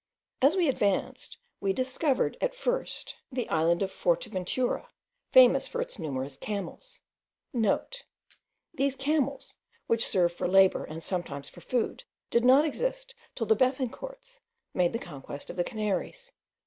As we advanced, we discovered at first the island of Forteventura, famous for its numerous camels;* (* These camels, which serve for labour, and sometimes for food, did not exist till the Bethencourts made the conquest of the Canaries.